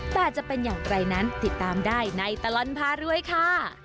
แต่จะเป็นอย่างไรนั้นติดตามได้ในตลอดพารวยค่ะ